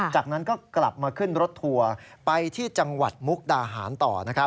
จากนั้นก็กลับมาขึ้นรถทัวร์ไปที่จังหวัดมุกดาหารต่อ